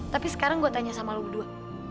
tapi sekarang gue tanya sama lo berdua